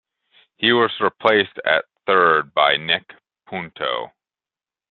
He was replaced at third by Nick Punto.